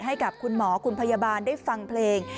ให้กับคุณหมอคุณพยาบาลได้ฟังเพลง